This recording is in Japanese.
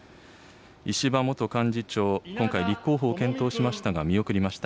石破元幹事長、今回、立候補を検討しましたが見送りました。